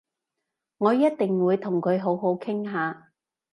我一定會同佢好好傾下